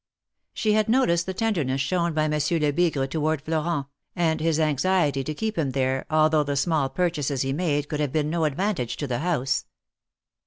She had noticed the tenderness shown by Monsieur Lebigre toward Florent, and his anxiety to keep him there, although the small purchases he made could have been no advantage to the house.